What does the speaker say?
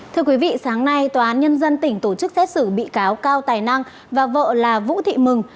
thưa quý vị sáng nay tòa án nhân dân tỉnh tổ chức xét xử bị cáo cao tài năng và vợ là vũ thị mừng